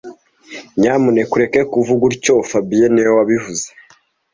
Nyamuneka ureke kuvuga gutya fabien niwe wabivuze